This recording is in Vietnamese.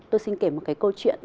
tôi xin kể một cái câu chuyện